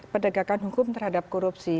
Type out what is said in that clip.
perdagangan hukum terhadap korupsi